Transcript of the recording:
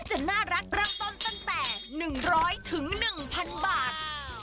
จะน่ารักเริ่มต้นตั้งแต่๑๐๐๑๐๐บาท